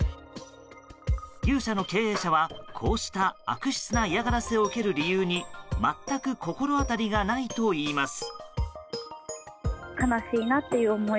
牛舎の経営者は、こうした悪質な嫌がらせを受ける理由に全く心当たりがないといいます。